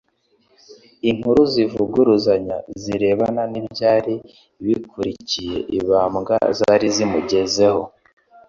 Inkuru zivuguruzanya zirebana n'ibyari byakurikiye ibambwa zari zamugezeho,